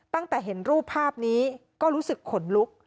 ตั้งแต่เห็นรูปภาพนี้ก็รู้สึกขนลุก